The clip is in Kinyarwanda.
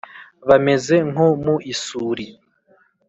bameze nko mu isuri